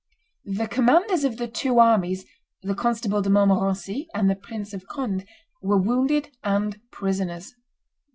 The commanders of the two armies, the Constable de Montmorency, and the Prince of Conde, were wounded and prisoners.